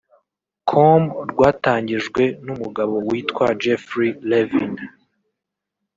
com rwatangijwe n’umugabo witwa Jeffrey Levin